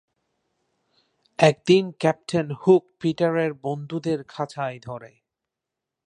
একদিন Captain Hook পিটারের বন্ধুদের খাঁচায় ধরে।